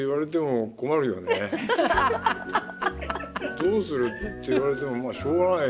どうするって言われてもまあしょうがないもう。